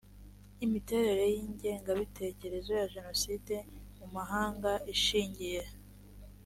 imiterere y ingengabitekerezo ya jenoside mu mahanga ishingiye